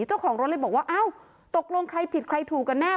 เจ้าของรถเลยบอกว่าอ้าวตกลงใครผิดใครถูกกันแน่